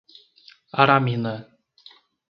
Aramina